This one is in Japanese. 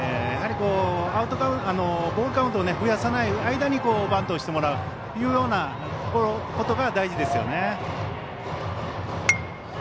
やはりボールカウントを増やさない間にバントをしてもらうということが大事ですよね。